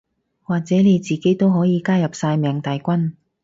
或者你自己都可以加入曬命大軍